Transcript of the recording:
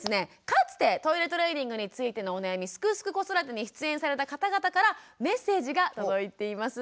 かつてトイレトレーニングについてのお悩み「すくすく子育て」に出演された方々からメッセージが届いています。